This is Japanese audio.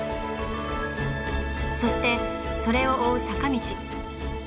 そしてそれを追う坂道。